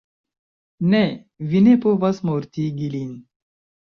Ne, vi ne povas mortigi lin.